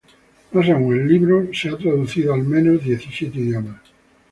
Más aún, el libro ha sido traducido a, al menos, diecisiete idiomas.